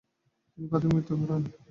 তিনি প্রাথমিক মৃত্যু ঘটান।